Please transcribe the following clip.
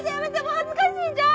恥ずかしいじゃん！